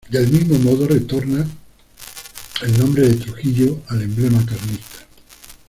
Del mismo modo retorna el nombre de "Trujillo" al emblema carlista.